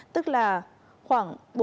tức là khoảng